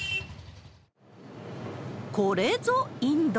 これぞインド。